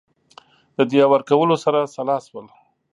د دیه ورکولو سره سلا شول.